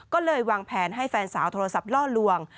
ก็เลยวางแผนให้แฟนสาวโทรศัพท์ล่อลวง